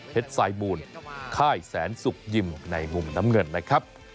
สายมูลค่ายแสนสุกยิมในมุมน้ำเงินนะครับ